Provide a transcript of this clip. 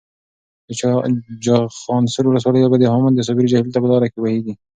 د چخانسور ولسوالۍ اوبه د هامون صابري جهیل ته په لاره کې بهیږي.